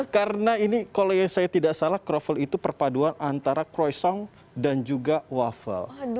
karena ini kalau saya tidak salah kroffel itu perpaduan antara croissant dan juga waffle